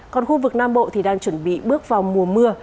còn khu vực nam bộ thì đang chuẩn bị bước vào mùa mưa